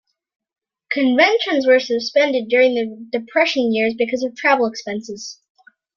Conventions were suspended during the Depression years because of travel expenses.